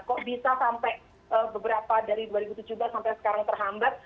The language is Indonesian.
kok bisa sampai beberapa dari dua ribu tujuh belas sampai sekarang terhambat